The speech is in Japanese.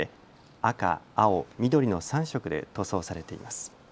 赤、青、緑の３色で塗装されています。